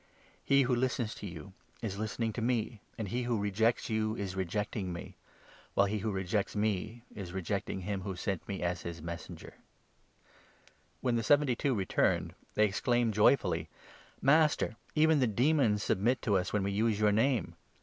He who listens to you is listening to me, 16 and he who rejects you is rejecting me ; while he who rejects me is rejecting him who sent me as his Messenger." When the seventy two returned, they exclaimed 17 The Return of j0fuiiy . "Master, even the demons submit to J J J the Seventy. , UAJT i jo us when we use your name.